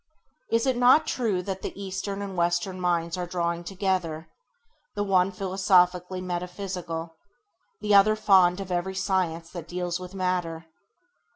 Is it not true that the eastern and western minds are drawing together, the one philosophically metaphysical, the other fond of every science that deals with matter